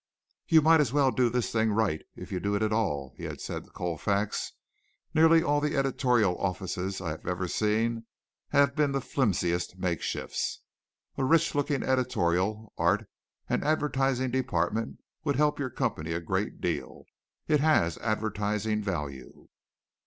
"You might as well do this thing right if you do it at all," he had said to Colfax. "Nearly all the editorial offices I have ever seen have been the flimsiest makeshifts. A rich looking editorial, art and advertising department would help your company a great deal. It has advertising value."